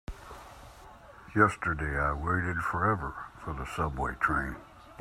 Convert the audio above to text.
Yesterday I waited forever for the subway train.